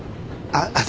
あっ。